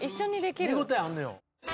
見応えあんのよ